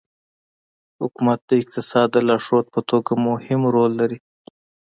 حکومت د اقتصاد د لارښود په توګه مهم رول لري.